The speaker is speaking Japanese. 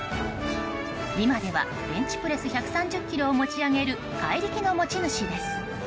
今ではベンチプレス１３０ｋｇを持ち上げる怪力の持ち主です。